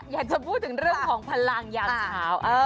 อยากจะพูดถึงเรื่องของพลังยามเช้า